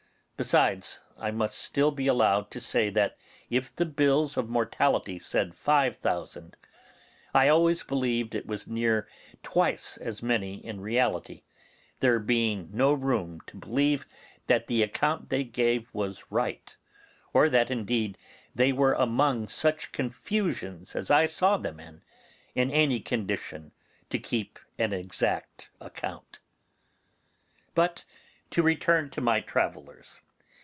Besides, I must still be allowed to say that if the bills of mortality said five thousand, I always believed it was near twice as many in reality, there being no room to believe that the account they gave was right, or that indeed they were among such confusions as I saw them in, in any condition to keep an exact account. But to return to my travellers.